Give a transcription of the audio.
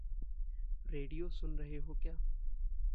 Radio सुन रहे हो क्या?